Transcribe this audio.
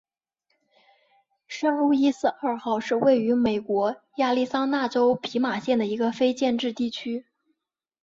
圣路易斯二号是位于美国亚利桑那州皮马县的一个非建制地区。